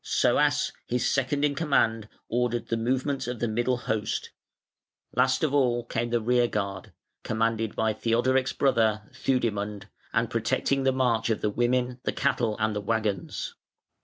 Soas, his second in command, ordered the movements of the middle host; last of all came the rear guard, commanded by Theodoric's brother, Theudimund, and protecting the march of the women, the cattle, and the waggons.